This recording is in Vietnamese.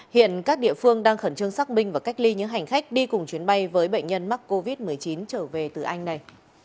hiện các địa phương đang khẩn trương xác minh và cách ly những hành khách đi cùng chuyến bay với bệnh nhân mắc covid một mươi chín trở về từ anh này